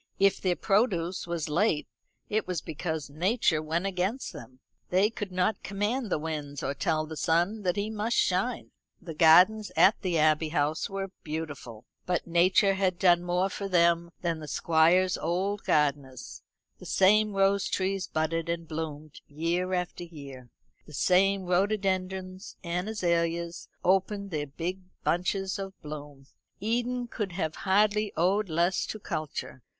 If their produce was late it was because nature went against them. They could not command the winds, or tell the sun that he must shine. The gardens at the Abbey House were beautiful, but nature had done more for them than the Squire's old gardeners. The same rose trees budded and bloomed year after year; the same rhododendrons and azaleas opened their big bunches of bloom. Eden could have hardly owed less to culture.